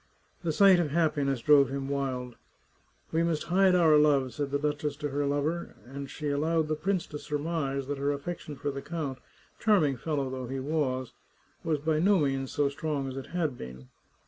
The sight of happiness drove him wild. '*We must hide our love," said the duchess to her lover, and she allowed the prince to surmise that her affection for the count, charming fellow though he was, was by no means so strong as it had been.